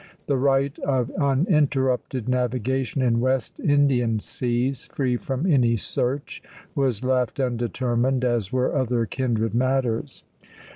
The right of uninterrupted navigation in West Indian seas, free from any search, was left undetermined, as were other kindred matters.